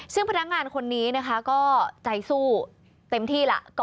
ซึ่งพนักงานคนนี้นะคะก็ใจสู้เต็มที่ล่ะ